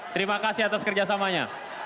terima kasih atas kerjasamanya